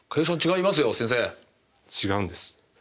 違うんです。